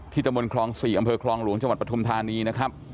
ตะบนคลอง๔อำเภอคลองหลวงจังหวัดปฐุมธานีนะครับ